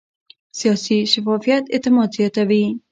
سیاسي شفافیت اعتماد زیاتوي